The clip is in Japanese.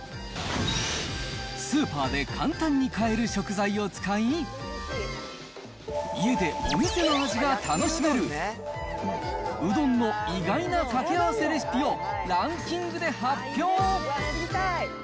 スーパーで簡単に買える食材を使い、家でお店の味が楽しめる、うどんの意外なかけあわせレシピをランキングで発表。